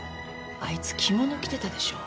あいつ着物着てたでしょ。